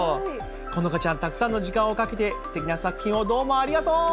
このかちゃん、たくさんの時間をかけてすてきな作品をどうもありがとう。